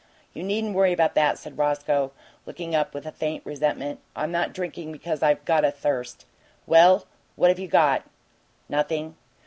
"You needn't worry about that," said Roscoe, looking up with a faint resentment. "I'm not drinking because I've got a thirst." "Well, what have you got?" "Nothing.